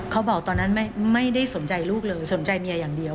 ตอนนั้นไม่ได้สนใจลูกเลยสนใจเมียอย่างเดียว